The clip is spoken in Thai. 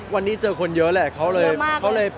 วันนี้เจอคนเยอะแหละเขาเลย